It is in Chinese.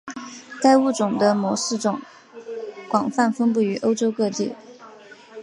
该物种的模式种广泛分布于欧洲各地。